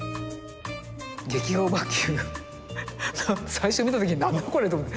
最初見た時何だこれと思って。